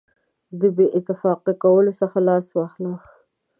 د بې اتفاقه کولو څخه لاس واخله.